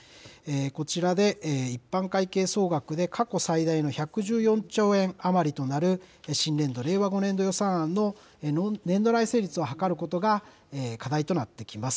こちらで一般会計総額で過去最大の１１４兆円余りとなる新年度・令和５年度予算案の年度内成立を図ることが課題となってきます。